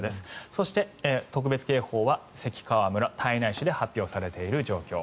そして、特別警報は関川村、胎内市で発表されている状況。